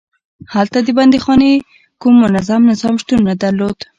هلته د بندیخانې کوم منظم نظام شتون نه درلود.